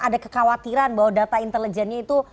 ada kekhawatiran bahwa data intelijennya itu